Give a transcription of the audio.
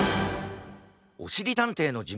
おしりたんていのじむ